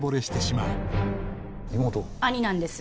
兄なんです。